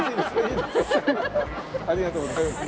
ありがとうございます。